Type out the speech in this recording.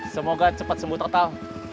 semoga cepat sembuh tau tau